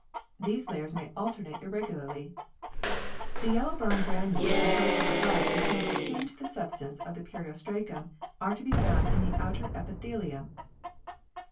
These layers may alternate irregularly (figs. 6 and 7). The yellow brown granules, referred to above as being akin to the substance of the periostracum, are to be found in the outer epithelium (fig.